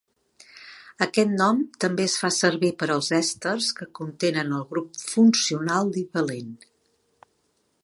Aquest nom també es fa servir per als èsters que contenen el grup funcional divalent.